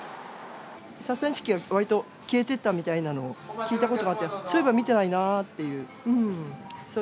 ササニシキがわりと消えていったみたいなのを聞いたことがあって、そういえば見てないなっていう。